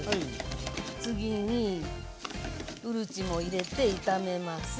次にうるちも入れて炒めます。